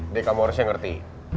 dek kamu harusnya ngerti